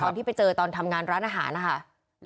ตอนที่ไปเจอตอนทำงานร้านอาหาร